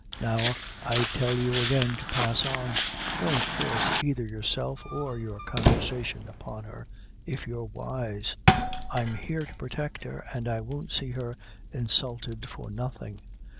Now, I tell you again to pass on. Don't force either yourself or your conversation upon her, if you're wise. I'm here to protect her an' I won't see her insulted for nothing."